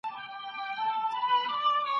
تږی خیال مي اوبه ومه ستا د سترګو په پیالو کي